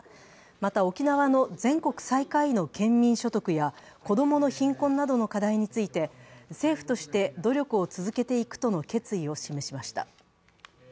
また沖縄の全国最下位の県民所得や子供の貧困などの課題について、政府として努力を続けていくとの決意を示しました。